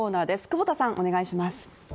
久保田さん、お願いします。